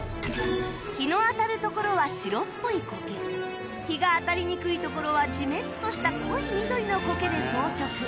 日の当たる所は白っぽい苔日が当たりにくい所はジメッとした濃い緑の苔で装飾